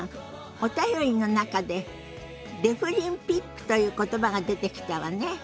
お便りの中でデフリンピックという言葉が出てきたわね。